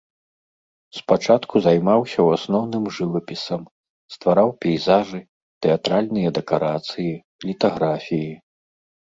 Спачатку займаўся ў асноўным жывапісам, ствараў пейзажы, тэатральныя дэкарацыі, літаграфіі.